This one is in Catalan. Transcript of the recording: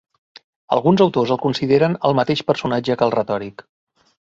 Alguns autors el consideren el mateix personatge que el retòric.